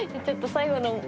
ちょっと最後の。